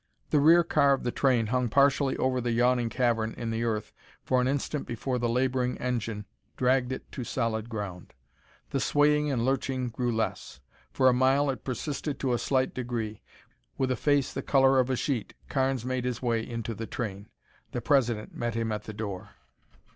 The rear car of the train hung partially over the yawning cavern in the earth for an instant before the laboring engine dragged it to solid ground. The swaying and lurching grew less. For a mile it persisted to a slight degree. With a face the color of a sheet, Carnes made his way into the train. The President met him at the door.